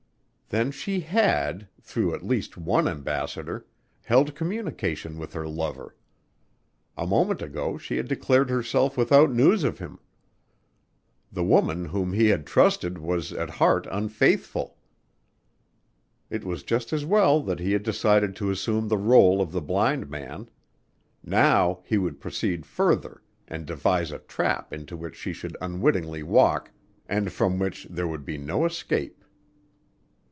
Then she had, through at least one ambassador, held communication with her lover. A moment ago she had declared herself without news of him. The woman whom he had trusted was at heart unfaithful. It was just as well that he had decided to assume the rôle of the blind man. Now he would proceed further and devise a trap into which she should unwittingly walk and from which there should be no escape.